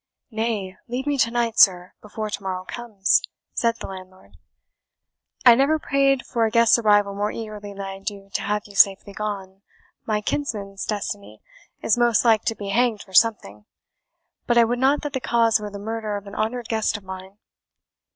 "Nay, leave me to night, sir, before to morrow comes," said he landlord. "I never prayed for a guest's arrival more eagerly than I do to have you safely gone, My kinsman's destiny is most like to be hanged for something, but I would not that the cause were the murder of an honoured guest of mine.